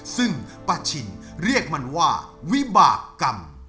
ซึ่งป้าชินเรียกมันว่าวิบากรรม